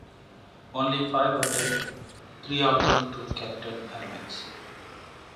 Only five were delivered, three of them to Capital Airlines.